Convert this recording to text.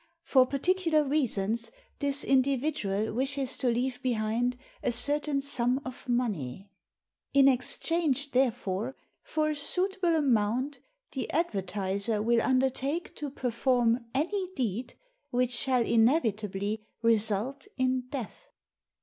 For particular reasons this individual wishes to leave behind a certain sum of money. In ex change, therefore, for a suitable amount the advertiser will undertake to perform any deed which shall inevitably result in death.